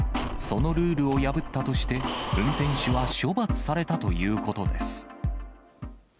そのルールを破ったとして、運転手は処罰されたということです。